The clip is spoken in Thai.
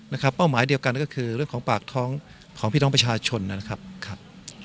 เป้าหมายเดียวกันก็คือเรื่องของปากท้องของพี่น้องประชาชนนะครับครับ